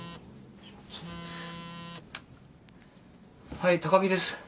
はい高木です。